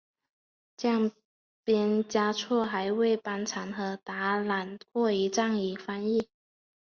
降边嘉措还为班禅和达赖当过藏语翻译。